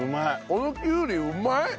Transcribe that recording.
このきゅうりうまい！